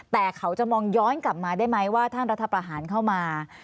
แต่เขาจะมองย้อนกลับมาได้ไหมว่าท่านรัฐประหารเข้ามา